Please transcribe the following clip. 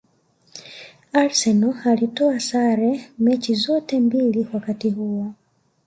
Arsenal alitoa sare mechi zote mbili wakati huo